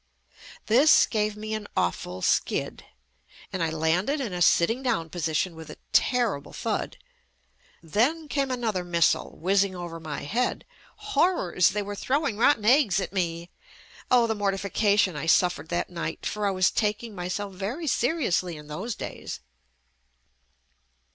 This gave me an awful skid, and I landed in a sitting down position with a terrible thud. Then came another mis sile whizzing over my head. Horrors! They were throwing rotten eggs at me. Oh, the mortification I suffered that night, for I was taking myself very seriously in those days.